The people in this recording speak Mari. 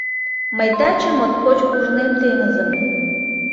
Мый таче моткоч ужнем теҥызым.